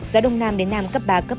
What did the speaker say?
gió đông nam đến nam cấp ba cấp bốn